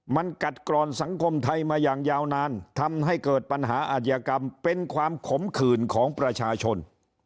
มันกัดกรอนสังคมไทยมาอย่างยาวนานทำให้เกิดปัญหาอาชญากรรมเป็นความขมขื่นของประชาชน